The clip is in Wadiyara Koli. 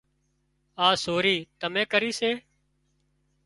آ سوري تمين ڪري سي